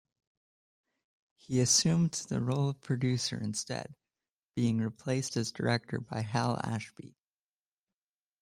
He assumed the role of producer instead, being replaced as director by Hal Ashby.